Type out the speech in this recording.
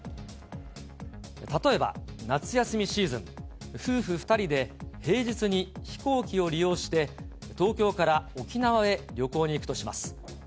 例えば夏休みシーズン、夫婦２人で平日に飛行機を利用して、東京から沖縄へ旅行に行くとします。